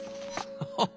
ハハハ。